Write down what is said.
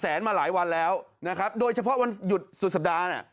มาหลายวันแล้วนะครับโดยเฉพาะวันหยุดสุดสัปดาห์น่ะ